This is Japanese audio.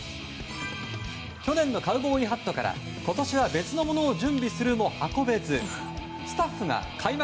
去年のカウボーイハットから今年は別のものを準備するも運べずスタッフが開幕